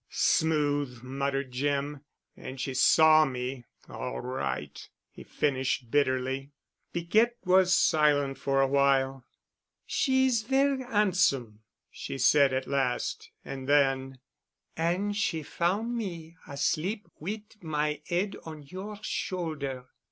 "Smooth!" muttered Jim. "And she saw me, all right," he finished bitterly. Piquette was silent for awhile. "She is ver' 'andsome," she said at last. And then, "An' she foun' me asleep wit' my 'ead on your shoulder."